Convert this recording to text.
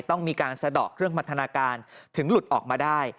ต้องมีการสะดอกเครื่องพัฒนาการถึงหลุดออกมาได้